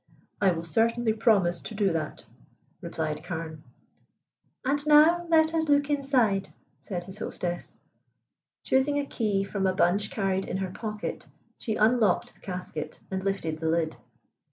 "I will certainly promise to do that," replied Carne. "And now let us look inside," said his hostess. Choosing a key from a bunch carried in her pocket, she unlocked the casket, and lifted the lid.